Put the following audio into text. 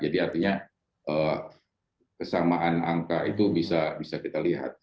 jadi artinya kesamaan angka itu bisa kita lihat